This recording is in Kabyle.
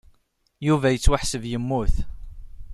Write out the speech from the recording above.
Yuba yettwaḥseb yemmut.